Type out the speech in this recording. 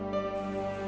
ya selamat datang